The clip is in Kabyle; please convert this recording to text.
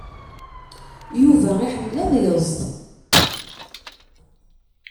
Yuba iḥemmel ad yeẓd.